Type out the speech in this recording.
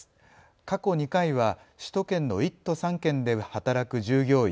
過去２回は首都圏の１都３県で働く従業員